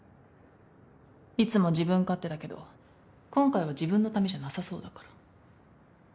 いつも自分勝手だけど今回は自分のためじゃなさそうだから。